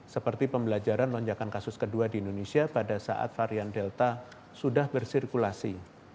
seperti pembelajaran lonjakan kasus kedua di indonesia pada saat varian delta sudah bersirkulasi